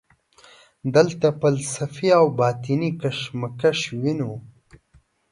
دلته فلسفي او باطني کشمکش وینو.